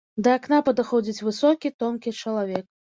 Да акна падыходзіць высокі, тонкі чалавек.